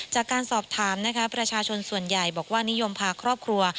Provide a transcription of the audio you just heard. จากการสอบถามนะคะประชาชนส่วนใหญ่บอกว่านิยมพาครอบครัว